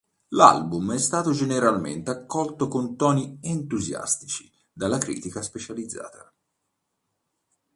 L'album è stato generalmente accolto con toni entusiastici dalla critica specializzata.